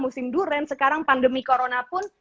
musim durian sekarang pandemi corona pun